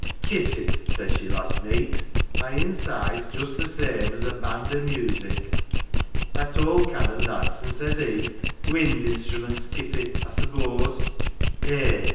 Kitty," says she last iieet, 'my inside's just same us a band o' music. 1 I told Canon that, an 1 says he, 'Wind instruments, Kitty, I s'pose.' Eh